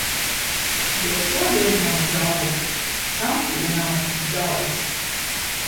Jo šodien, mani draugi, tam pienācis gals!